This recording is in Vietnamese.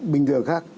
bình thường khác